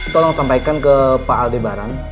tolong sampaikan ke pak aldebaran